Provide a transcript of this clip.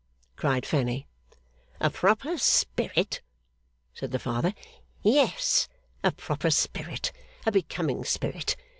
cried Fanny. 'A proper spirit?' said the Father. 'Yes, a proper spirit; a becoming spirit.